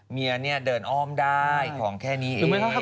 เมียเนี่ยเดินอ่อมได้ของแค่นี่อย่างเงี้ย